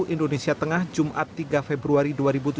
indonesia tengah jumat tiga februari dua ribu tujuh belas